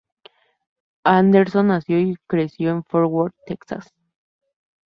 Anderson nació y creció en Fort Worth, Texas.